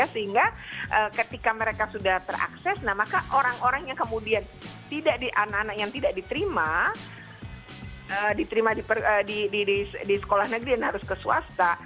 sehingga ketika mereka sudah terakses maka anak anak yang tidak diterima di sekolah negeri yang harus ke swasta